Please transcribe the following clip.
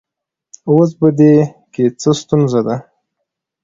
اوس په دې کې څه ستونزه ده